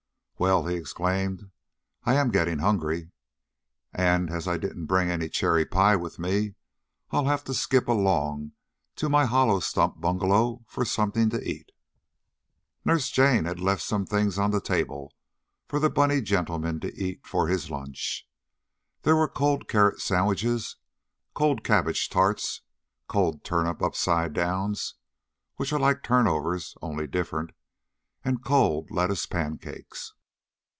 "Well!" he exclaimed. "I'm getting hungry, and, as I didn't bring any cherry pie with me I'll have to skip along to my hollow stump bungalow for something to eat." Nurse Jane had left some things on the table for the bunny gentleman to eat for his lunch. There were cold carrot sandwiches, cold cabbage tarts, cold turnip unsidedowns which are like turnovers only different and cold lettuce pancakes.